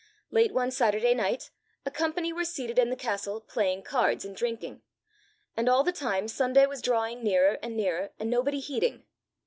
Late one Saturday night, a company were seated in the castle, playing cards, and drinking; and all the time Sunday was drawing nearer and nearer, and nobody heeding.